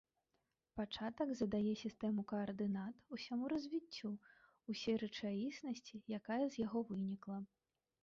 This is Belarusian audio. Пачатак задае сістэму каардынат усяму развіццю, усёй рэчаіснасці, якая з яго вынікла.